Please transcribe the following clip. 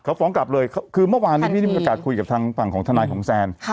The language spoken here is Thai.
เขาฟ้องกลับเลยคือเมื่อวานนี้พี่ได้ประกาศคุยกับทางฝั่งของทนายของแซน